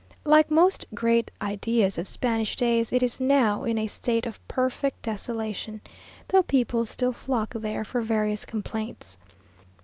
Like most great ideas of Spanish days, it is now in a state of perfect desolation, though people still flock there for various complaints.